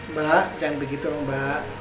mbak jangan begitu mbak